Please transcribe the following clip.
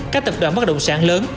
các tập đoàn bất động sản lớn